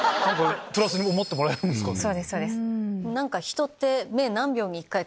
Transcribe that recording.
そうですそうです。